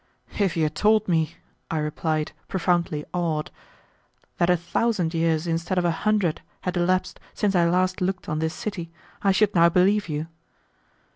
"If you had told me," I replied, profoundly awed, "that a thousand years instead of a hundred had elapsed since I last looked on this city, I should now believe you."